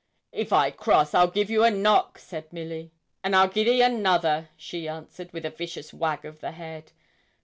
'If I cross, I'll give you a knock,' said Milly. 'And I'll gi' thee another,' she answered, with a vicious wag of the head.